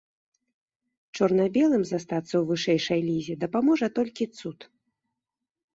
Чорна-белым застацца ў вышэйшай лізе дапаможа толькі цуд.